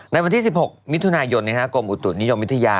ในวันที่๑๖มิถุนายนกรมอุตุนิยมวิทยา